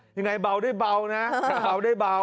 ยังไงเบาได้เบานะจะเบาได้เบา